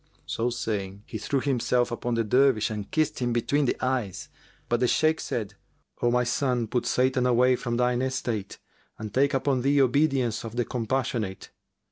So saying, he threw himself upon the Dervish and kissed him between the eyes; but the Shaykh said, "O my son, put Satan away from thine estate and take upon thee obedience of the Compassionate."